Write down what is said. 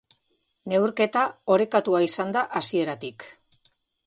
Neurketa orekatua izan da hasieratik.